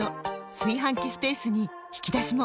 炊飯器スペースに引き出しも！